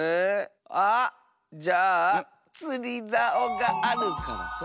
あじゃあつりざおがあるからそれは？